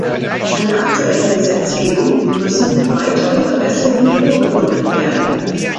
An der aktuellen Gesetzgebung müssen weitere Verbesserungen vorgenommen werden.